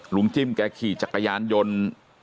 หลวงจิ้มแปลว่าแค่ขี่จักรยานยนตร์